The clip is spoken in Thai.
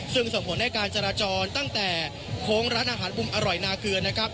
ซึ่งส่งผลให้การจราจรตั้งแต่ห้องร้านอาหารร้ายนาเกลือน